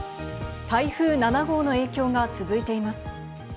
台風７号の影響が続いています。